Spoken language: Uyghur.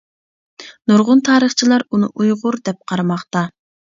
نۇرغۇن تارىخچىلار ئۇنى ئۇيغۇر، دەپ قارىماقتا.